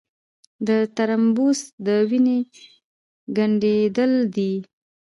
د ترومبوس د وینې ګڼېدل دي.